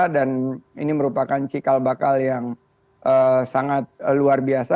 dan ini merupakan cikal bakal yang sangat luar biasa